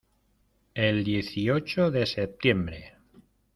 el dieciocho de septiembre.